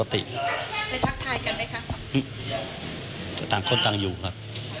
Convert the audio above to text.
ต่างคนต่างอยู่ครับ